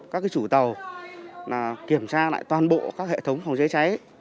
các chủ tàu kiểm tra lại toàn bộ các hệ thống phòng cháy cháy